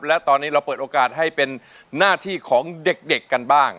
และตอนนี้เราเปิดโอกาสให้เป็นหน้าที่ของเด็กกันบ้าง